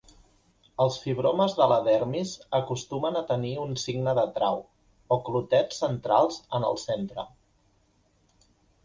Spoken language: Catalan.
Els fibromes de la dermis acostumen a tenir un "signe de trau", o clotets centrals en el centre.